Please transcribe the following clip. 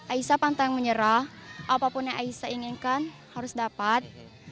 aisyah pantang menyerah apapun yang aisyah inginkan harus dapat